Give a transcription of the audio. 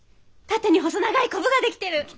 縦に細長いこぶが出来てる。